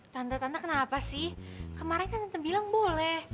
tante tante kenapa sih kemaren kan tante bilang boleh